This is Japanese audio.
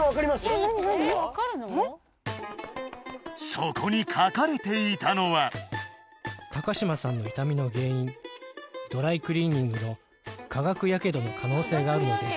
えっそこに書かれていたのは「高島さんの痛みの原因」「ドライクリーニングの化学やけどの可能性があるので」